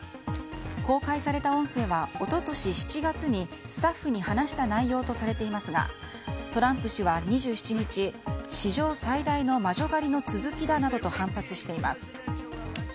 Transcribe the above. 公開された音声は、一昨年７月にスタッフに話した内容とされていますがトランプ氏は２７日史上最大の魔女狩りの続きだなどと反発しています。